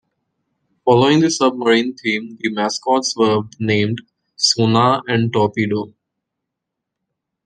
Following the submarine theme, the mascots were named "Sonar" and "Torpedo".